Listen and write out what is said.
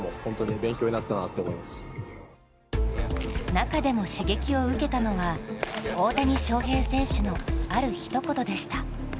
中でも刺激を受けたのは大谷翔平選手のあるひと言でした。